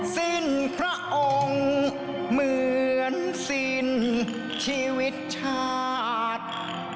สิ้นพระองค์เหมือนสิ้นชีวิตชาติ